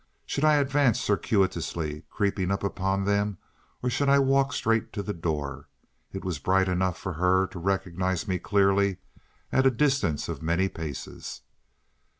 Should I advance circuitously, creeping upon them, or should I walk straight to the door? It was bright enough for her to recognize me clearly at a distance of many paces.